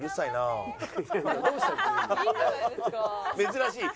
珍しい。